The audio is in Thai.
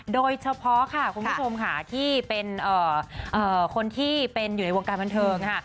โดยเฉพาะค่ะคุณผู้ชมค่ะที่เป็นคนที่เป็นอยู่ในวงการบันเทิงค่ะ